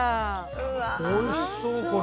美味しそうこれ。